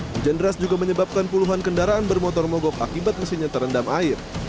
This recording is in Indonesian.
hujan deras juga menyebabkan puluhan kendaraan bermotor mogok akibat mesinnya terendam air